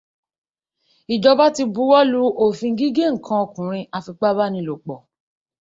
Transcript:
Ìjọba ti buwọ́ lu òfin gígé nǹkan ọkùnrin afipabánilòpọ̀.